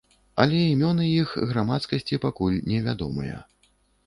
Але імёны іх грамадскасці пакуль не вядомыя.